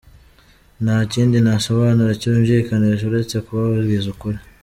Nta kindi nasobanura kibyumvikanisha uretse kubabwiza ukuri.